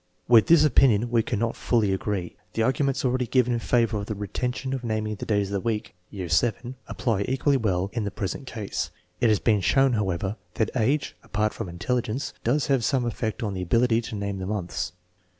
With this opinion we cannot fully agree. The arguments already given in favor .of the retention of naming the days of the week (year VII), apply equally well in the present case. It has been shown, however, that age, apart from intelligence, does have some effect on the ability to name the months.